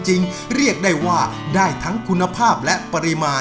แต่ทุนเด็กได้ว่าได้ทั้งคุณภาพและปริมาณ